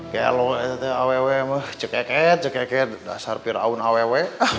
kalau aww mah cekeket cekeket dasar piraun aww